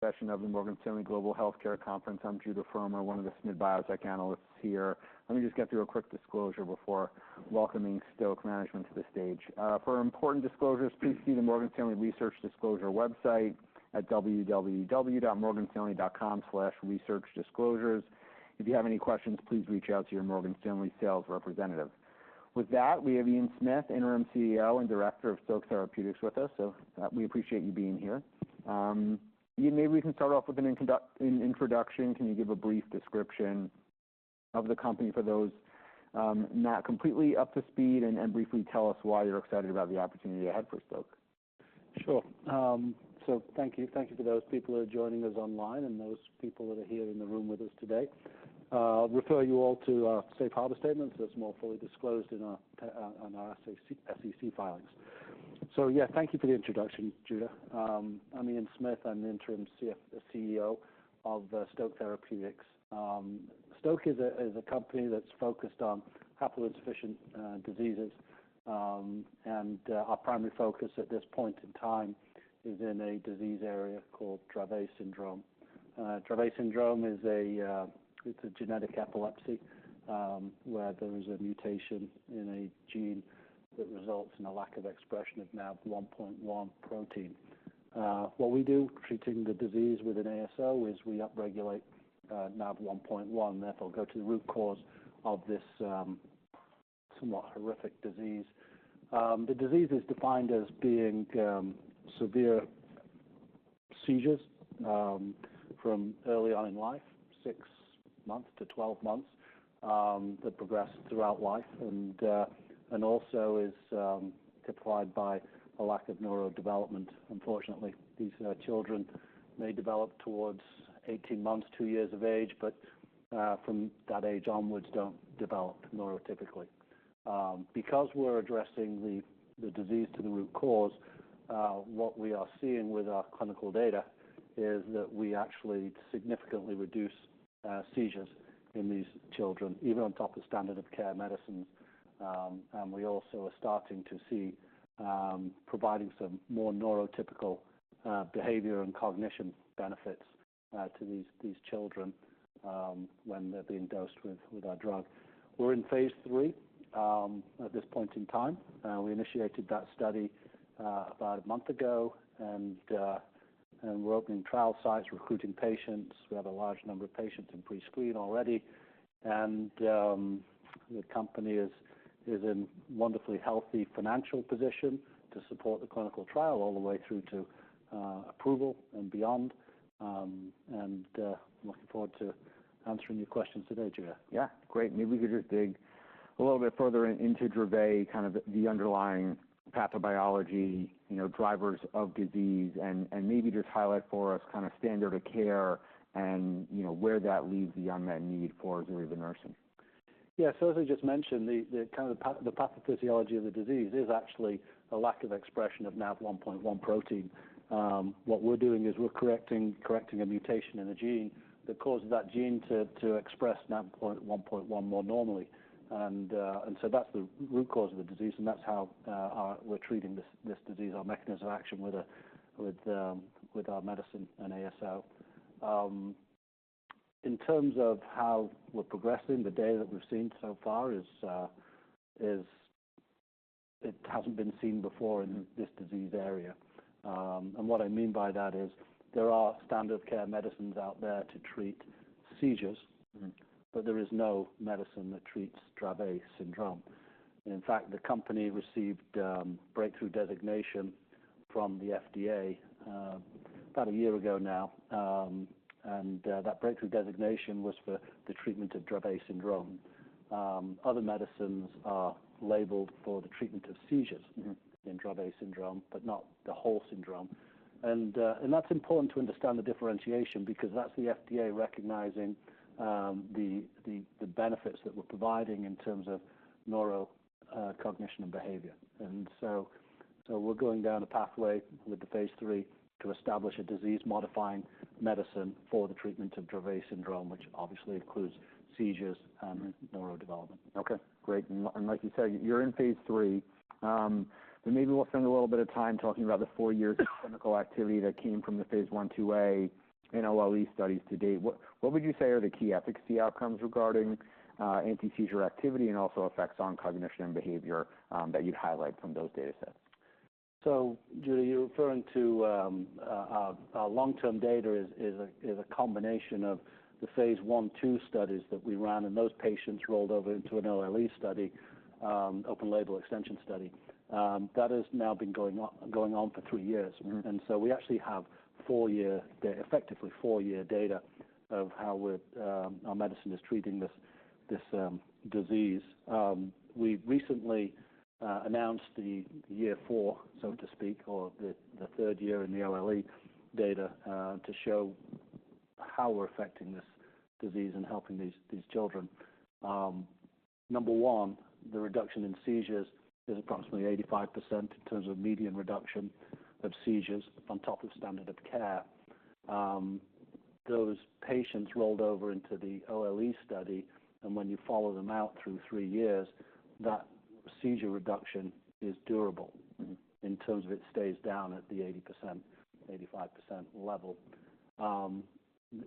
Session of the Morgan Stanley Global Healthcare Conference. I'm Judah Frommer, one of the SMid Biotech analysts here. Let me just get through a quick disclosure before welcoming Stoke Management to the stage. For important disclosures, please see the Morgan Stanley Research Disclosure website at www.morganstanley.com/researchdisclosures. If you have any questions, please reach out to your Morgan Stanley sales representative. With that, we have Ian Smith, Interim CEO and Director of Stoke Therapeutics with us. We appreciate you being here. Ian, maybe we can start off with an introduction. Can you give a brief description of the company for those not completely up to speed and briefly tell us why you're excited about the opportunity ahead for Stoke? Sure. So thank you for those people who are joining us online and those people that are here in the room with us today. I'll refer you all to our safe harbor statements that's more fully disclosed in our SEC filings. So yeah, thank you for the introduction, Judah. I'm Ian Smith. I'm the Interim CEO of Stoke Therapeutics. Stoke is a company that's focused on haploinsufficient diseases. And our primary focus at this point in time is in a disease area called Dravet syndrome. Dravet syndrome is a genetic epilepsy where there is a mutation in a gene that results in a lack of expression of NaV1.1 protein. What we do treating the disease with an ASO is we upregulate NaV1.1. That'll go to the root cause of this somewhat horrific disease. The disease is defined as being severe seizures from early on in life, six months to 12 months, that progress throughout life and also is typified by a lack of neurodevelopment. Unfortunately, these children may develop towards 18 months, two years of age, but from that age onwards don't develop neurotypically. Because we're addressing the disease to the root cause, what we are seeing with our clinical data is that we actually significantly reduce seizures in these children, even on top of standard of care medicines, and we also are starting to see providing some more neurotypical behavior and cognition benefits to these children when they're being dosed with our drug. We're in phase III at this point in time. We initiated that study about a month ago, and we're opening trial sites, recruiting patients. We have a large number of patients in pre-screen already. The company is in wonderfully healthy financial position to support the clinical trial all the way through to approval and beyond. I'm looking forward to answering your questions today, Judah. Yeah. Great. Maybe we could just dig a little bit further into Dravet, kind of the underlying pathobiology, drivers of disease, and maybe just highlight for us kind of standard of care and where that leaves the unmet need for zorevunersen. Yeah. So as I just mentioned, kind of the pathophysiology of the disease is actually a lack of expression of NaV1.1 protein. What we're doing is we're correcting a mutation in a gene that causes that gene to express NaV1.1 more normally. And so that's the root cause of the disease, and that's how we're treating this disease, our mechanism of action with our medicine and ASO. In terms of how we're progressing, the data that we've seen so far is it hasn't been seen before in this disease area. And what I mean by that is there are standard of care medicines out there to treat seizures, but there is no medicine that treats Dravet syndrome. In fact, the company received breakthrough designation from the FDA about a year ago now. And that breakthrough designation was for the treatment of Dravet syndrome. Other medicines are labeled for the treatment of seizures in Dravet syndrome, but not the whole syndrome. And that's important to understand the differentiation because that's the FDA recognizing the benefits that we're providing in terms of neurocognition and behavior. And so we're going down a pathway with the phase III to establish a disease-modifying medicine for the treatment of Dravet syndrome, which obviously includes seizures and neurodevelopment. Okay. Great. And like you said, you're in phase III. But maybe we'll spend a little bit of time talking about the four years of clinical activity that came from the phase I/II OLE studies to date. What would you say are the key efficacy outcomes regarding anti-seizure activity and also effects on cognition and behavior that you'd highlight from those data sets? So Judah, you're referring to our long-term data is a combination of the phase I/II studies that we ran, and those patients rolled over into an OLE study, open label extension study. That has now been going on for three years. And so we actually have effectively four-year data of how our medicine is treating this disease. We recently announced the year four, so to speak, or the third year in the OLE data to show how we're affecting this disease and helping these children. Number one, the reduction in seizures is approximately 85% in terms of median reduction of seizures on top of standard of care. Those patients rolled over into the OLE study, and when you follow them out through three years, that seizure reduction is durable in terms of it stays down at the 80%, 85% level.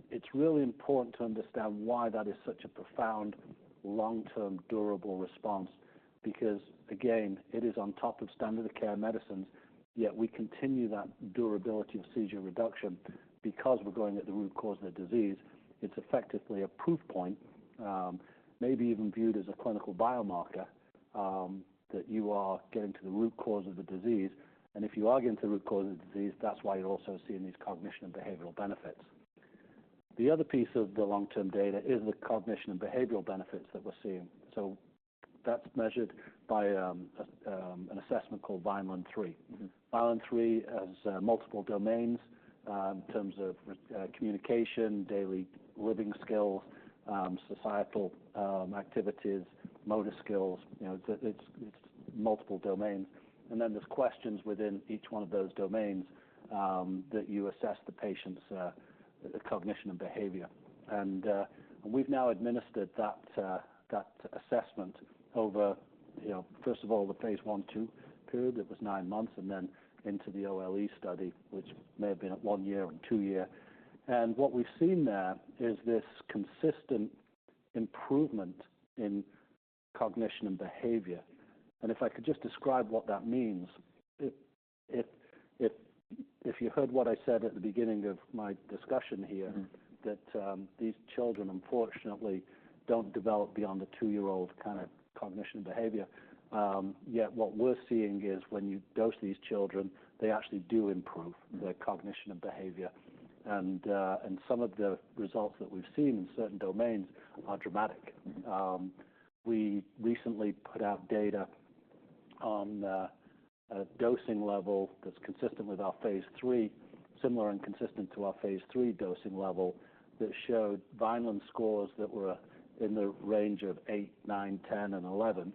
It's really important to understand why that is such a profound long-term durable response because, again, it is on top of standard of care medicines, yet we continue that durability of seizure reduction because we're going at the root cause of the disease. It's effectively a proof point, maybe even viewed as a clinical biomarker that you are getting to the root cause of the disease. And if you are getting to the root cause of the disease, that's why you're also seeing these cognition and behavioral benefits. The other piece of the long-term data is the cognition and behavioral benefits that we're seeing. So that's measured by an assessment called Vineland-3. Vineland-3 has multiple domains in terms of communication, daily living skills, societal activities, motor skills. It's multiple domains. And then there's questions within each one of those domains that you assess the patient's cognition and behavior. And we've now administered that assessment over, first of all, the phase I/II period that was nine months and then into the OLE study, which may have been at one year and two-year. And what we've seen there is this consistent improvement in cognition and behavior. And if I could just describe what that means, if you heard what I said at the beginning of my discussion here, that these children, unfortunately, don't develop beyond a two-year-old kind of cognition and behavior. Yet what we're seeing is when you dose these children, they actually do improve their cognition and behavior. And some of the results that we've seen in certain domains are dramatic. We recently put out data on a dosing level that's consistent with our phase III, similar and consistent to our phase III dosing level that showed Vineland-3 scores that were in the range of eight, nine, 10, and 11.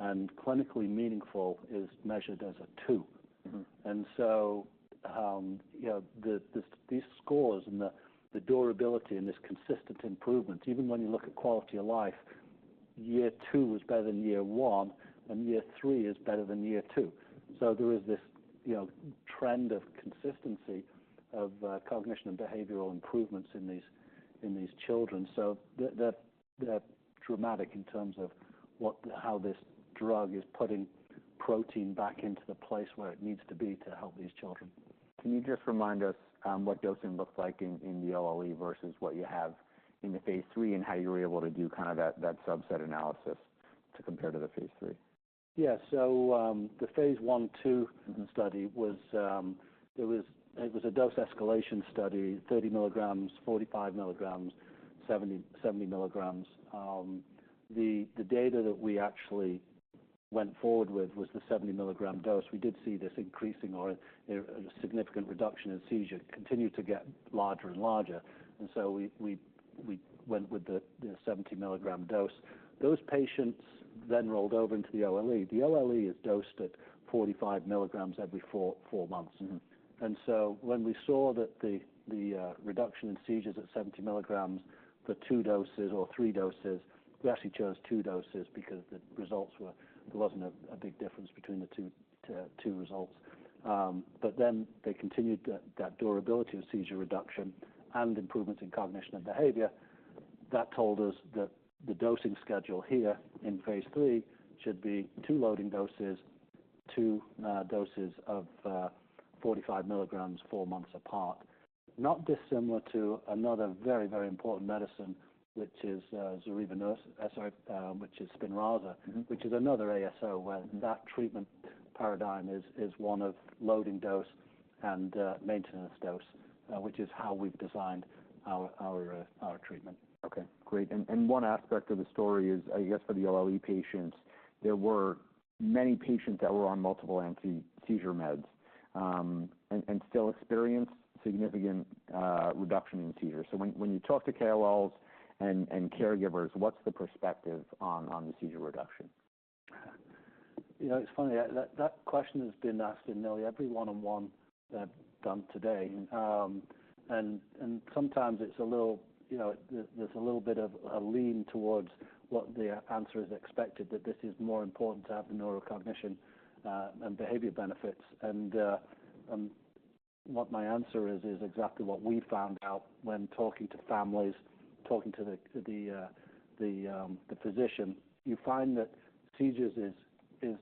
And clinically meaningful is measured as a two. And so these scores and the durability and this consistent improvement, even when you look at quality of life, year two is better than year one, and year three is better than year two. So there is this trend of consistency of cognition and behavioral improvements in these children. So they're dramatic in terms of how this drug is putting protein back into the place where it needs to be to help these children. Can you just remind us what dosing looks like in the OLE versus what you have in the phase III and how you were able to do kind of that subset analysis to compare to the phase III? Yeah. So the phase I/II study, it was a dose escalation study, 30 mg, 45 mg, 70 mg. The data that we actually went forward with was the 70 milligram dose. We did see an increasing or a significant reduction in seizures continued to get larger and larger. And so we went with the 70 milligram dose. Those patients then rolled over into the OLE. The OLE is dosed at 45 mg every four months. And so when we saw that the reduction in seizures at 70 mg for two doses or three doses, we actually chose two doses because the results were, there wasn't a big difference between the two results. But then they continued that durability of seizure reduction and improvements in cognition and behavior. That told us that the dosing schedule here in phase III should be two loading doses, two doses of 45 mg four months apart. Not dissimilar to another very, very important medicine, which is Spinraza, which is another ASO where that treatment paradigm is one of loading dose and maintenance dose, which is how we've designed our treatment. Okay. Great. And one aspect of the story is, I guess, for the OLE patients, there were many patients that were on multiple anti-seizure meds and still experienced significant reduction in seizures. So when you talk to KOLs and caregivers, what's the perspective on the seizure reduction? It's funny. That question has been asked in nearly every one-on-one that I've done today, and sometimes it's a little bit of a lean towards what the answer is expected, that this is more important to have the neurocognition and behavior benefits. What my answer is, is exactly what we found out when talking to families, talking to the physician. You find that seizures is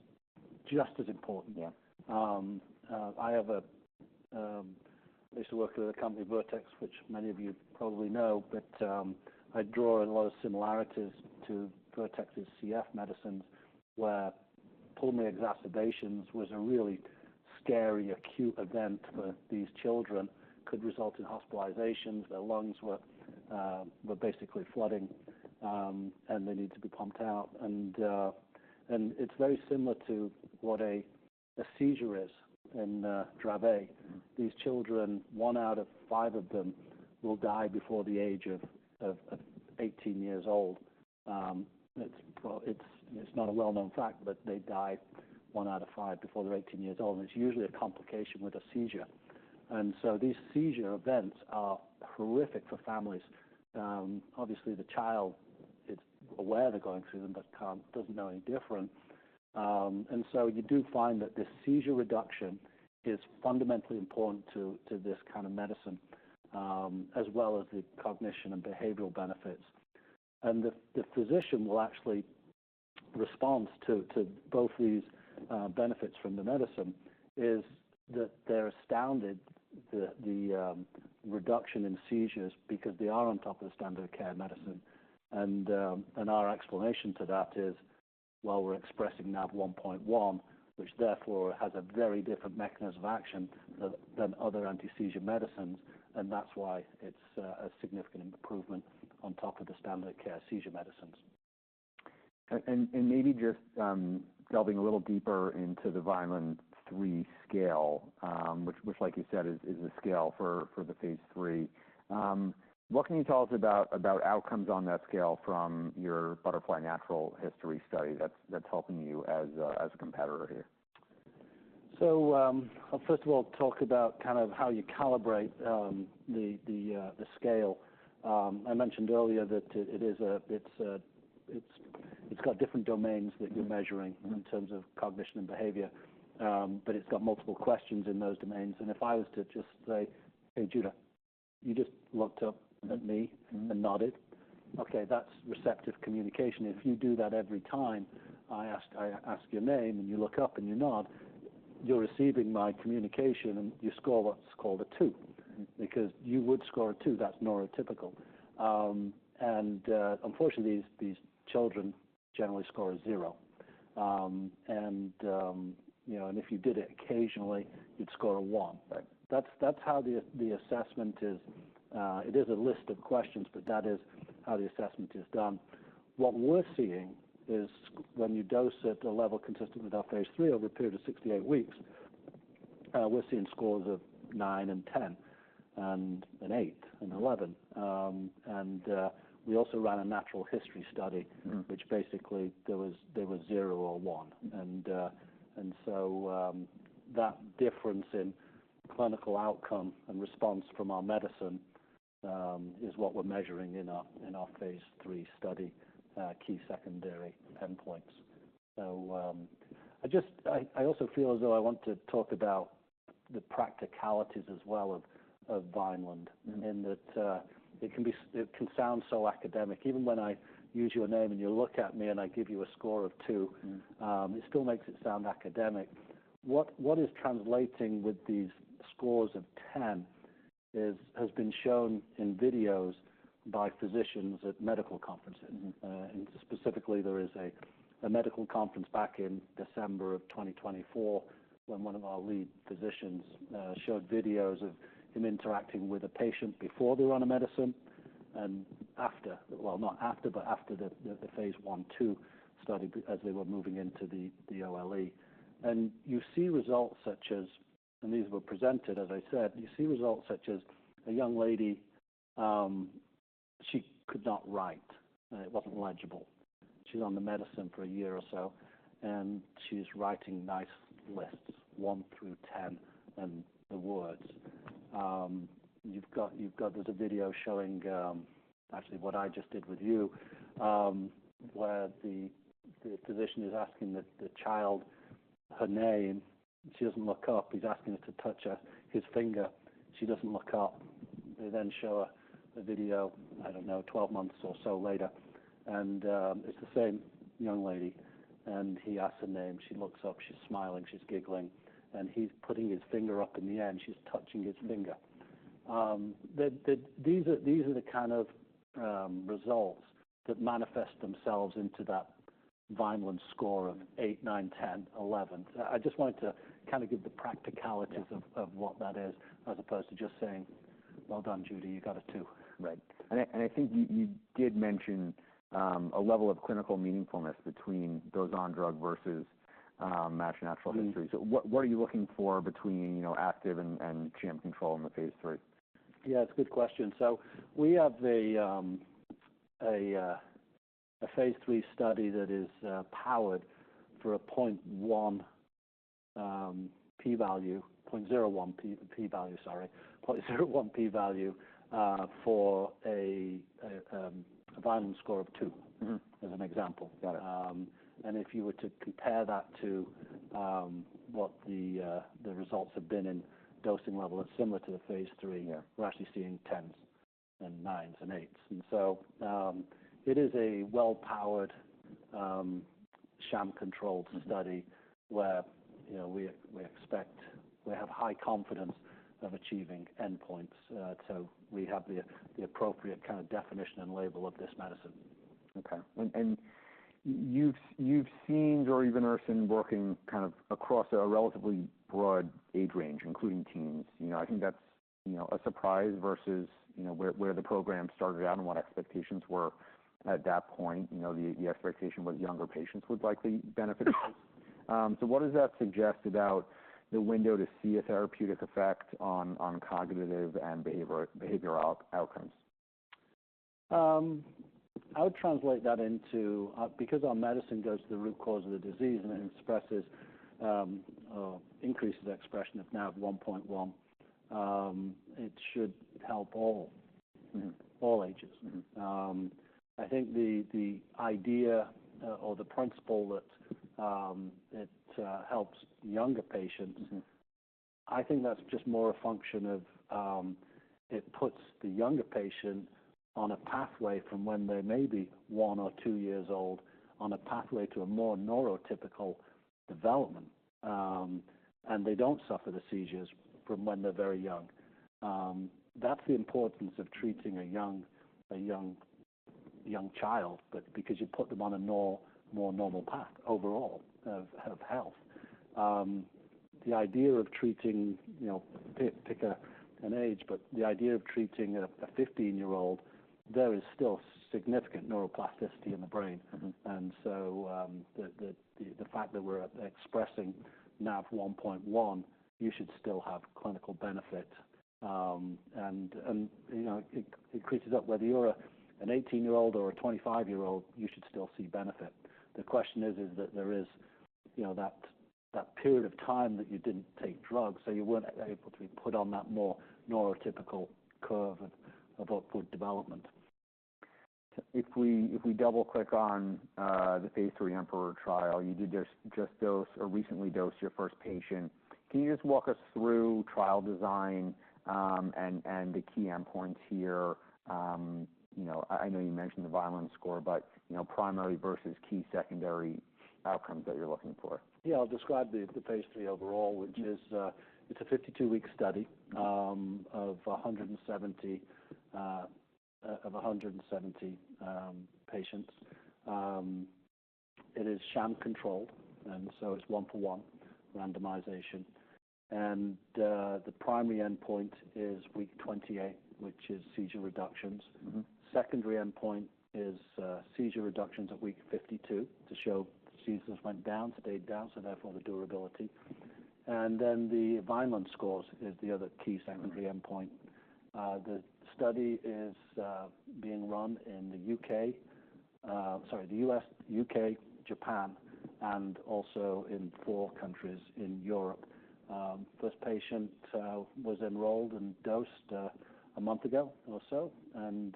just as important. I used to work at a company, Vertex, which many of you probably know, but I draw in a lot of similarities to Vertex's CF medicines where pulmonary exacerbations was a really scary acute event for these children, could result in hospitalizations. Their lungs were basically flooding, and they needed to be pumped out. It's very similar to what a seizure is in Dravet. These children, one out of five of them will die before the age of 18 years old. It's not a well-known fact, but they die one out of five before they're 18 years old, and it's usually a complication with a seizure. And so these seizure events are horrific for families. Obviously, the child is aware they're going through them but doesn't know any different. And so you do find that this seizure reduction is fundamentally important to this kind of medicine, as well as the cognition and behavioral benefits. And the physician will actually respond to both these benefits from the medicine is that they're astounded at the reduction in seizures because they are on top of the standard of care medicine. And our explanation to that is, well, we're expressing NaV1.1, which therefore has a very different mechanism of action than other anti-seizure medicines. That's why it's a significant improvement on top of the standard of care seizure medicines. Maybe just delving a little deeper into the Vineland-3 scale, which, like you said, is a scale for the phase III. What can you tell us about outcomes on that scale from your BUTTERFLY natural history study that's helping you as a competitor here? So I'll first of all talk about kind of how you calibrate the scale. I mentioned earlier that it's got different domains that you're measuring in terms of cognition and behavior, but it's got multiple questions in those domains. And if I was to just say, "Hey, Judah, you just looked up at me and nodded." Okay, that's receptive communication. If you do that every time, I ask your name and you look up and you nod, you're receiving my communication and you score what's called a two because you would score a two. That's neurotypical. And unfortunately, these children generally score a zero. And if you did it occasionally, you'd score a one. That's how the assessment is. It is a list of questions, but that is how the assessment is done. What we're seeing is when you dose at a level consistent with our phase III over a period of 68 weeks, we're seeing scores of nine and 10 and eight and 11. We also ran a natural history study, which basically there was zero or one. That difference in clinical outcome and response from our medicine is what we're measuring in our phase III study, key secondary endpoints. I also feel as though I want to talk about the practicalities as well of Vineland-3 in that it can sound so academic. Even when I use your name and you look at me and I give you a score of two, it still makes it sound academic. What is translating with these scores of 10 has been shown in videos by physicians at medical conferences. Specifically, there is a medical conference back in December of 2024 when one of our lead physicians showed videos of him interacting with a patient before they were on a medicine and after. Well, not after, but after the phase I/II study as they were moving into the OLE. You see results such as, and these were presented, as I said. You see results such as a young lady. She could not write. It wasn't legible. She's on the medicine for a year or so, and she's writing nice lists, one through 10, and the words. There's a video showing actually what I just did with you where the physician is asking the child her name. She doesn't look up. He's asking her to touch his finger. She doesn't look up. They then show a video. I don't know, 12 months or so later. And it's the same young lady. And he asks her name. She looks up. She's smiling. She's giggling. And he's putting his finger up in the end. She's touching his finger. These are the kind of results that manifest themselves into that Vineland-3 score of eight, nine, 10, 11. I just wanted to kind of give the practicalities of what that is as opposed to just saying, "Well done, Judy. You got a two." Right. And I think you did mention a level of clinical meaningfulness between those on-drug versus matched natural history. So what are you looking for between active and sham control in the phase III? Yeah, it's a good question. So we have a phase III study that is powered for a 0.1 p-value, 0.01 p-value, sorry, 0.01 p-value for a Vineland-3 score of two as an example. And if you were to compare that to what the results have been in dosing level, it's similar to the phase III. We're actually seeing 10s and 9s and 8s. And so it is a well-powered sham-controlled study where we expect we have high confidence of achieving endpoints. So we have the appropriate kind of definition and label of this medicine. Okay. And you've seen Zorevunersen working kind of across a relatively broad age range, including teens. I think that's a surprise versus where the program started out and what expectations were at that point. The expectation was younger patients would likely benefit from this. So what does that suggest about the window to see a therapeutic effect on cognitive and behavioral outcomes? I would translate that into because our medicine goes to the root cause of the disease and increases expression of NaV1.1, it should help all ages. I think the idea or the principle that it helps younger patients, I think that's just more a function of it puts the younger patient on a pathway from when they may be one or two years old on a pathway to a more neurotypical development. And they don't suffer the seizures from when they're very young. That's the importance of treating a young child because you put them on a more normal path overall of health. The idea of treating pick an age, but the idea of treating a 15-year-old, there is still significant neuroplasticity in the brain. And so the fact that we're expressing NaV1.1, you should still have clinical benefit. And it creeps up. Whether you're an 18-year-old or a 25-year-old, you should still see benefit. The question is that there is that period of time that you didn't take drugs, so you weren't able to be put on that more neurotypical curve of upward development. If we double-click on the phase III EMPEROR trial, you did just dose or recently dosed your first patient. Can you just walk us through trial design and the key endpoints here? I know you mentioned the Vineland-3 score, but primary versus key secondary outcomes that you're looking for. Yeah. I'll describe the phase III overall, which is it's a 52-week study of 170 patients. It is sham-controlled, and so it's one-for-one randomization. And the primary endpoint is week 28, which is seizure reductions. Secondary endpoint is seizure reductions at week 52 to show seizures went down, stayed down, so therefore the durability. And then the Vineland-3 scores is the other key secondary endpoint. The study is being run in the U.K., sorry, the U.S., U.K., Japan, and also in four countries in Europe. First patient was enrolled and dosed a month ago or so. And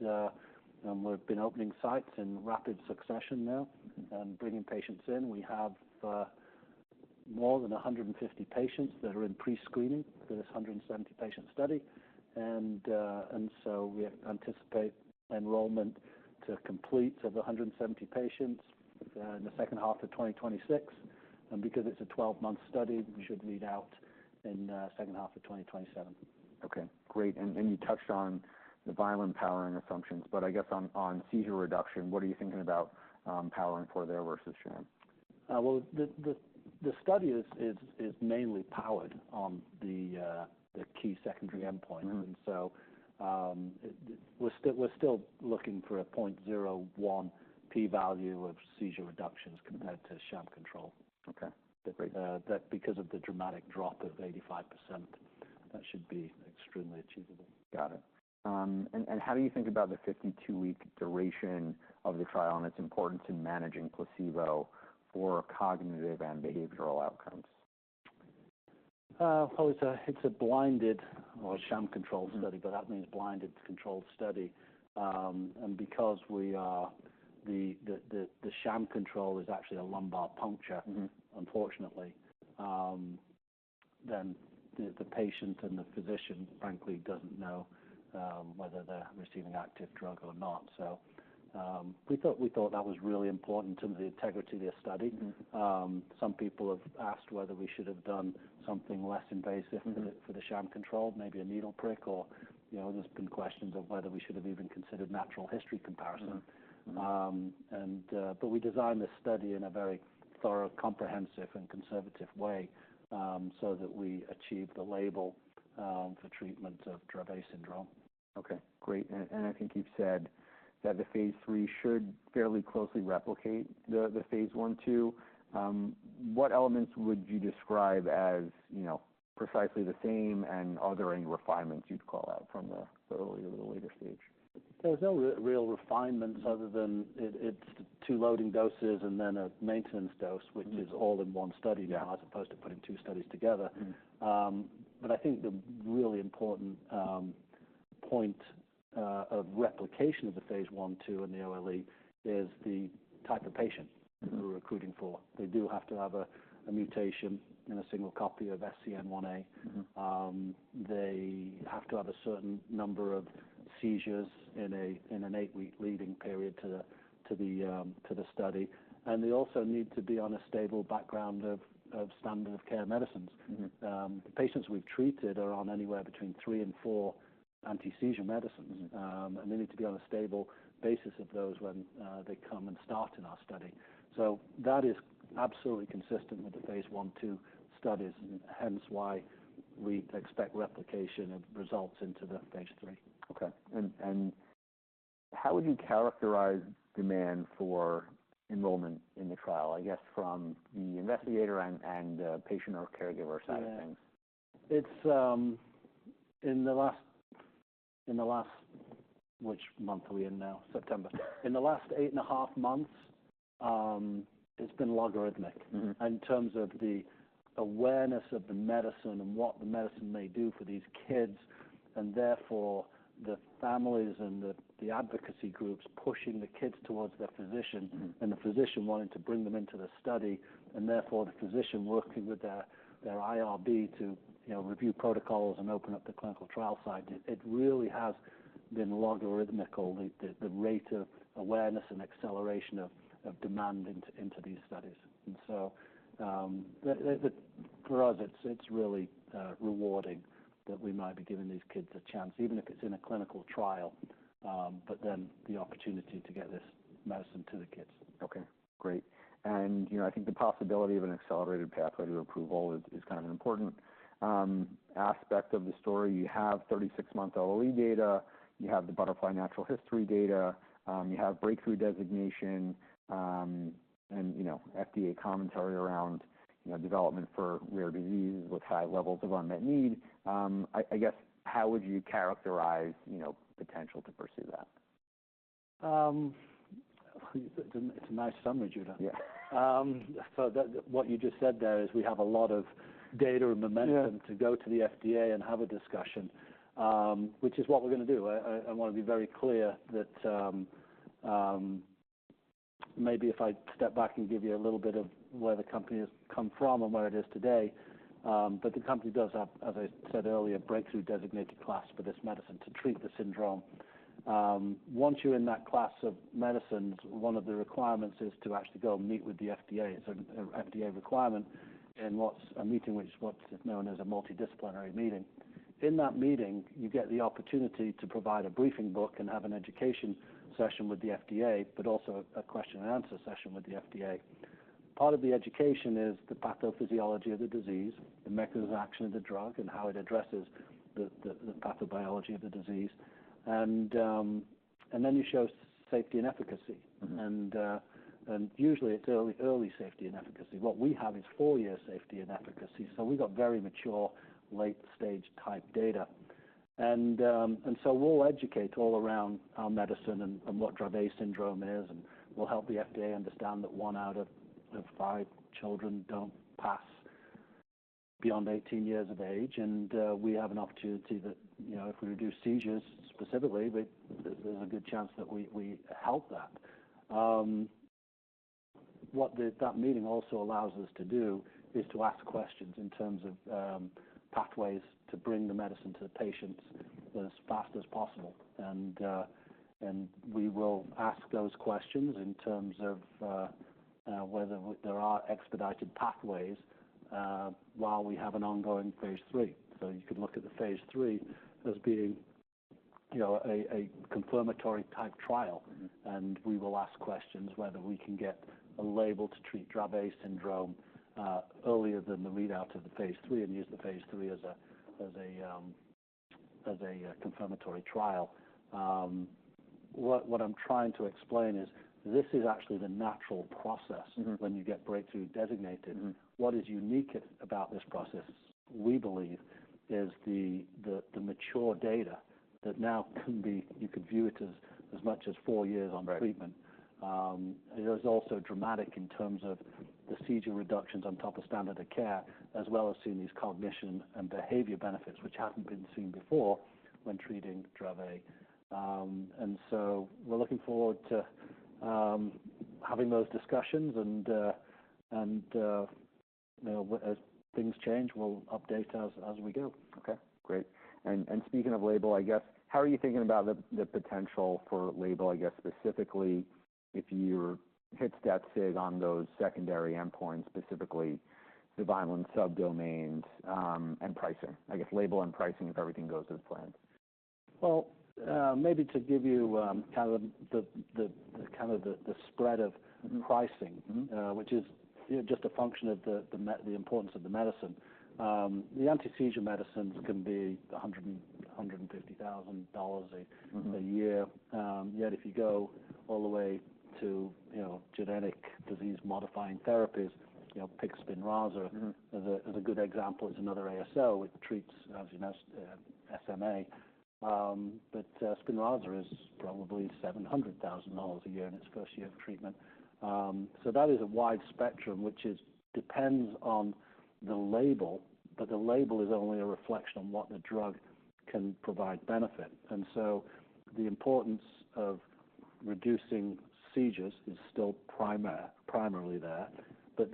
we've been opening sites in rapid succession now and bringing patients in. We have more than 150 patients that are in pre-screening. There's 170-patient study. And so we anticipate enrollment to complete of 170 patients in the second half of 2026. Because it's a 12-month study, we should read out in the second half of 2027. Okay. Great. And you touched on the Vineland-3 powering assumptions, but I guess on seizure reduction, what are you thinking about powering for there versus sham? The study is mainly powered on the key secondary endpoints, so we're still looking for a 0.01 p-value of seizure reductions compared to sham control. Okay. That's because of the dramatic drop of 85%, that should be extremely achievable. Got it. And how do you think about the 52-week duration of the trial and its importance in managing placebo for cognitive and behavioral outcomes? It's a blinded or sham-controlled study, but that means blinded controlled study. And because the sham control is actually a lumbar puncture, unfortunately, then the patient and the physician, frankly, doesn't know whether they're receiving active drug or not. So we thought that was really important to the integrity of the study. Some people have asked whether we should have done something less invasive for the sham control, maybe a needle prick, or there's been questions of whether we should have even considered natural history comparison. But we designed the study in a very thorough, comprehensive, and conservative way so that we achieve the label for treatment of Dravet syndrome. Okay. Great. And I think you've said that the phase III should fairly closely replicate the phase I/II. What elements would you describe as precisely the same and other refinements you'd call out from the earlier or the later stage? There's no real refinements other than it's two loading doses and then a maintenance dose, which is all in one study now as opposed to putting two studies together. But I think the really important point of replication of the phase I/II in the OLE is the type of patient we're recruiting for. They do have to have a mutation in a single copy of SCN1A. They have to have a certain number of seizures in an eight-week leading period to the study. And they also need to be on a stable background of standard of care medicines. The patients we've treated are on anywhere between three and four anti-seizure medicines. And they need to be on a stable basis of those when they come and start in our study. So that is absolutely consistent with the phase I/II studies, hence why we expect replication of results into the phase III. Okay. And how would you characterize demand for enrollment in the trial, I guess, from the investigator and patient or caregiver side of things? In the last—which month are we in now? September... In the last eight and a half months, it's been logarithmic in terms of the awareness of the medicine and what the medicine may do for these kids. And therefore, the families and the advocacy groups pushing the kids towards their physician and the physician wanting to bring them into the study. And therefore, the physician working with their IRB to review protocols and open up the clinical trial site. It really has been logarithmical, the rate of awareness and acceleration of demand into these studies. And so for us, it's really rewarding that we might be giving these kids a chance, even if it's in a clinical trial, but then the opportunity to get this medicine to the kids. Okay. Great. And I think the possibility of an accelerated pathway to approval is kind of an important aspect of the story. You have 36-month OLE data. You have the BUTTERFLY natural history data. You have breakthrough designation and FDA commentary around development for rare diseases with high levels of unmet need. I guess, how would you characterize potential to pursue that? It's a nice summary, Judah, so what you just said there is we have a lot of data and momentum to go to the FDA and have a discussion, which is what we're going to do. I want to be very clear that maybe if I step back and give you a little bit of where the company has come from and where it is today, but the company does have, as I said earlier, Breakthrough Therapy Designation for this medicine to treat the syndrome. Once you're in that class of medicines, one of the requirements is to actually go meet with the FDA. It's an FDA requirement in a meeting which is known as a multidisciplinary meeting. In that meeting, you get the opportunity to provide a briefing book and have an education session with the FDA, but also a question-and-answer session with the FDA. Part of the education is the pathophysiology of the disease, the mechanism of action of the drug, and how it addresses the pathobiology of the disease, and then you show safety and efficacy, and usually it's early safety and efficacy. What we have is four-year safety and efficacy, so we've got very mature late-stage type data, and so we'll educate all around our medicine and what Dravet syndrome is, and we'll help the FDA understand that one out of five children don't pass beyond 18 years of age, and we have an opportunity that if we reduce seizures specifically, there's a good chance that we help that. What that meeting also allows us to do is to ask questions in terms of pathways to bring the medicine to the patients as fast as possible. And we will ask those questions in terms of whether there are expedited pathways while we have an ongoing phase III. So you could look at the phase III as being a confirmatory type trial. And we will ask questions whether we can get a label to treat Dravet syndrome earlier than the readout of the phase III and use the phase III as a confirmatory trial. What I'm trying to explain is this is actually the natural process when you get breakthrough designated. What is unique about this process, we believe, is the mature data that now can be you could view it as much as four years on treatment. It is also dramatic in terms of the seizure reductions on top of standard of care, as well as seeing these cognition and behavior benefits, which haven't been seen before when treating Dravet. And so we're looking forward to having those discussions. And as things change, we'll update as we go. Okay. Great. And speaking of label, I guess, how are you thinking about the potential for label, I guess, specifically if you're accepted on those secondary endpoints, specifically the Vineland-3 subdomains and pricing, I guess, label and pricing if everything goes as planned? Maybe to give you kind of the spread of pricing, which is just a function of the importance of the medicine. The anti-seizure medicines can be $150,000 a year. Yet if you go all the way to genetic disease-modifying therapies, pick Spinraza as a good example. It's another ASO. It treats, as you know, SMA. But Spinraza is probably $700,000 a year in its first year of treatment. So that is a wide spectrum, which depends on the label. But the label is only a reflection on what the drug can provide benefit. And so the importance of reducing seizures is still primarily there. But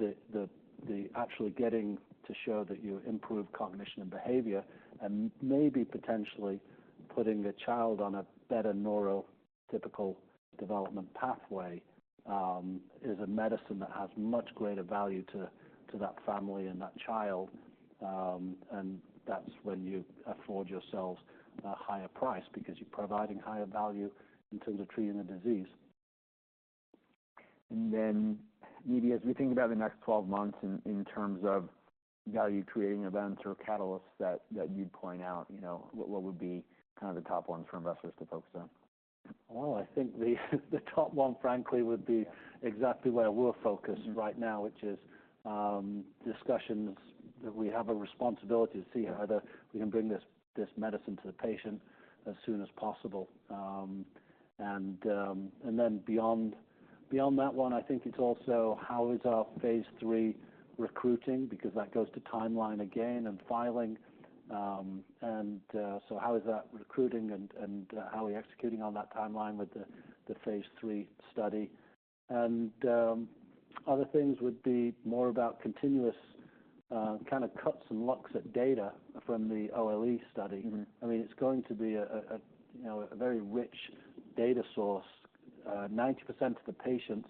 actually getting to show that you improve cognition and behavior and maybe potentially putting a child on a better neurotypical development pathway is a medicine that has much greater value to that family and that child. That's when you afford yourselves a higher price because you're providing higher value in terms of treating the disease. And then maybe as we think about the next 12 months in terms of value-creating events or catalysts that you'd point out, what would be kind of the top ones for investors to focus on? I think the top one, frankly, would be exactly where we're focused right now, which is discussions that we have a responsibility to see how we can bring this medicine to the patient as soon as possible. Then beyond that one, I think it's also how is our phase III recruiting because that goes to timeline again and filing. So how is that recruiting and how are we executing on that timeline with the phase III study? Other things would be more about continuous kind of cuts and looks at data from the OLE study. I mean, it's going to be a very rich data source. 90% of the patients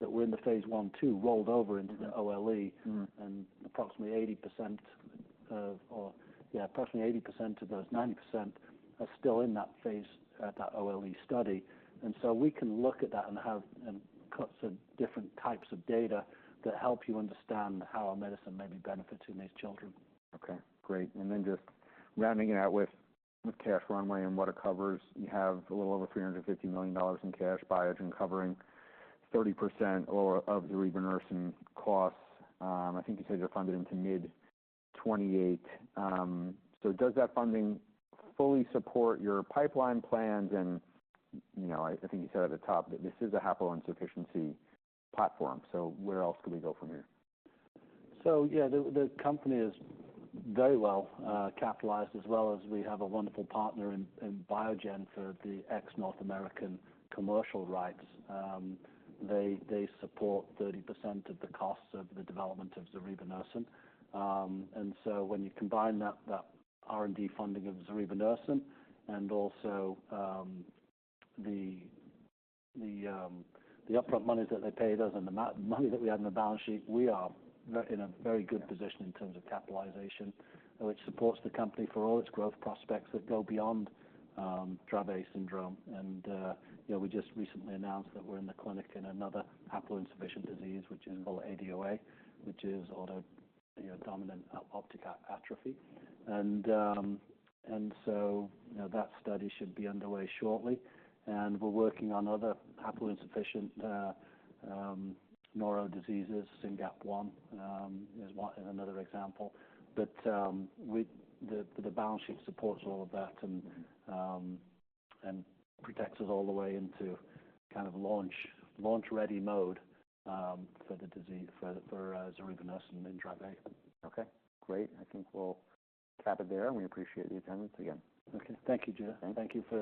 that were in the phase I/II rolled over into the OLE. Approximately 80% of those 90% are still in that phase at that OLE study. And so we can look at that and have cuts of different types of data that help you understand how our medicine may be benefiting these children. Okay. Great. And then just rounding it out with cash runway and what it covers, you have a little over $350 million in cash, Biogen covering 30% of the reimbursing costs. I think you said you're funded into mid-2028. So does that funding fully support your pipeline plans? And I think you said at the top that this is a haploinsufficiency platform. So where else could we go from here? Yeah, the company is very well capitalized, as well as we have a wonderful partner in Biogen for the ex-North American commercial rights. They support 30% of the costs of the development of zorevunersen. And so when you combine that R&D funding of zorevunersen and also the upfront money that they pay us and the money that we have in the balance sheet, we are in a very good position in terms of capitalization, which supports the company for all its growth prospects that go beyond Dravet syndrome. We just recently announced that we're in the clinic in another haploinsufficient disease, which is called ADOA, which is autosomal dominant optic atrophy. That study should be underway shortly. We're working on other haploinsufficient neuro diseases. SYNGAP1 is another example. But the balance sheet supports all of that and protects us all the way into kind of launch-ready mode for zorevunersen and Dravet. Okay. Great. I think we'll cap it there, and we appreciate the attendance again. Okay. Thank you, Judah. Thank you.